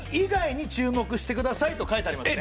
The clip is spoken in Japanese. これと書いてありますね。